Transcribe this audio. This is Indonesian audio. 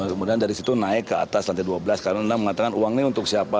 kemudian dari situ naik ke atas lantai dua belas karena anda mengatakan uang ini untuk siapa